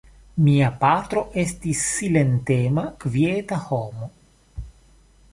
Mia patro estis silentema kvieta homo.